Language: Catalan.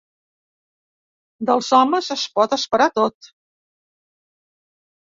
Dels homes es pot esperar tot.